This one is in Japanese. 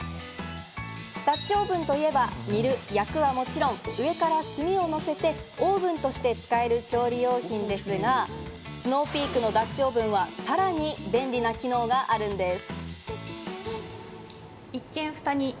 ダッチオーブンといえば、煮る、焼くはもちろん、上から炭をのせてオーブンとして使える調理用品ですが、スノーピークのダッチオーブンは、さらに便利な機能があるんです。